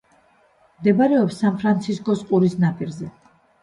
მდებარეობს სან-ფრანცისკოს ყურის ნაპირზე.